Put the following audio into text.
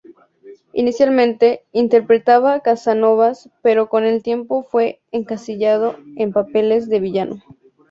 Inicialmente, interpretaba casanovas, pero con el tiempo fue encasillado en papeles de villano.